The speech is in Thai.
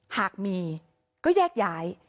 หากมีก็แยกย้าย